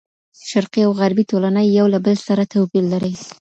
شرقي او غربي ټولنې یو له بل سره توپیر لري.